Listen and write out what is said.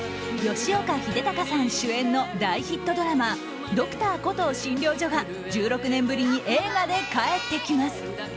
吉岡秀隆さん主演の大ヒットドラマ「Ｄｒ．コトー診療所」が１６年ぶりに映画で帰ってきます。